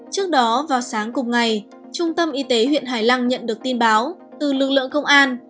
trước đó vào sáng cùng ngày trung tâm y tế huyện hải lăng nhận được tin báo từ lực lượng công an